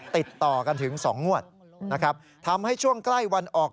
ติดต่อกันถึง๒งวดนะครับทำให้ช่วงใกล้วันออก